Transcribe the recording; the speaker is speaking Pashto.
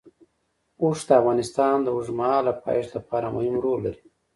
اوښ د افغانستان د اوږدمهاله پایښت لپاره مهم رول لري.